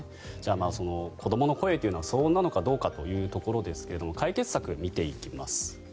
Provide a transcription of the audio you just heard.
子どもの声というのは騒音なのかどうかというところですが解決策を見ていきます。